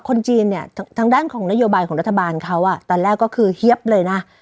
คนจีนเนี่ยทางด้านของนโยบายของรัฐบาลเขาตอนแรกก็คือเฮียบเลยนะ